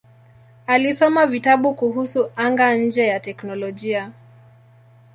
Alisoma vitabu kuhusu anga-nje na teknolojia.